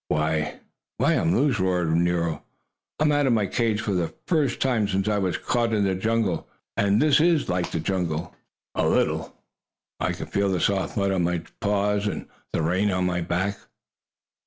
"Why why, I'm loose!" roared Nero. "I'm out of my cage for the first time since I was caught in the jungle! Oh, and this is like the jungle, a little. I can feel the soft mud on my paws, and the rain on my back!"